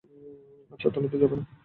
আজ আদালতে যাবে না?